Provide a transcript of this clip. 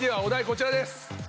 こちらです